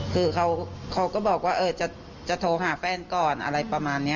คือเขาก็บอกว่าจะโทรหาแฟนก่อนอะไรประมาณนี้